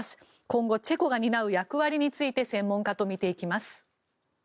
今後、チェコが担う役割について専門家と見ていきます。